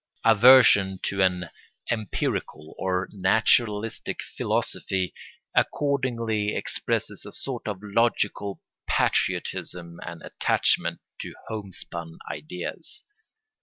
Aversion to an empirical or naturalistic philosophy accordingly expresses a sort of logical patriotism and attachment to homespun ideas.